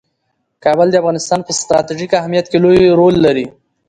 کابل د افغانستان په ستراتیژیک اهمیت کې لوی رول لري.